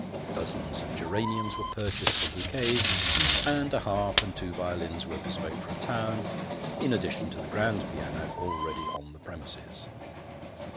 Dozens of geraniums were purchased for bouquets, and a harp and two violins were bespoke from town, in addition to the grand piano already on the premises.